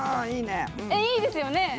そういいですよね